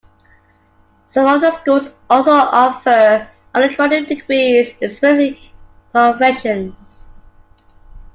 Some of the schools also offer undergraduate degrees in specific professions.